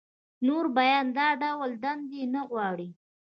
نور بيا دا ډول دندې نه غواړي